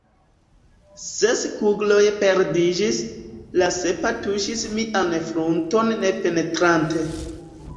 Ses kugloj perdiĝis; la sepa tuŝis mian frunton ne penetrante.